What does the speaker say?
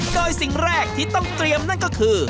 โดยสิ่งแรกที่ต้องเตรียมนั่นก็คือ